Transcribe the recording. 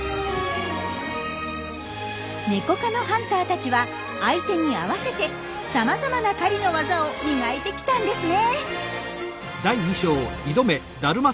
ネコ科のハンターたちは相手に合わせてさまざまな狩りの技を磨いてきたんですね。